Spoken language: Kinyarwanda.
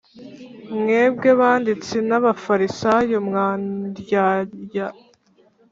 Mwebwe banditsi n Abafarisayo mwa ndyarya